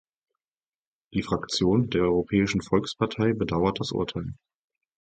Die Fraktion der Europäischen Volkspartei bedauert das Urteil.